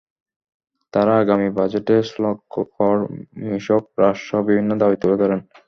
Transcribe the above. তাঁরা আগামী বাজেটে শুল্ক, কর, মূসক হ্রাসসহ বিভিন্ন দাবি তুলে ধরেন।